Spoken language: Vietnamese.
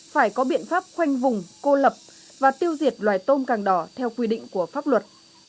phải có biện pháp khoanh vùng cô lập và tiêu diệt loài tôm càng đỏ theo quy định của pháp luật